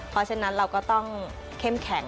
เพราะฉะนั้นเราก็ต้องเข้มแข็ง